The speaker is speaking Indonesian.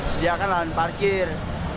sediakan lahan parkir